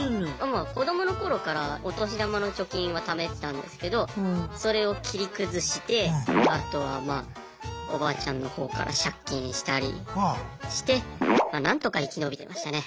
子供の頃からお年玉の貯金はためてたんですけどそれを切り崩してあとはまあおばあちゃんの方から借金したりしてなんとか生き延びてましたね。